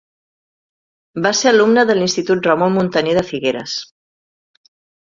Va ser alumne de l'Institut Ramon Muntaner de Figueres.